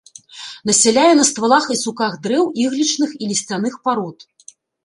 Насяляе на ствалах і суках дрэў іглічных і лісцяных парод.